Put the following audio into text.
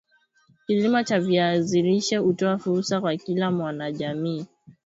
Kilimo cha viazi lishe hutoa fursa kwa kila mwana jamii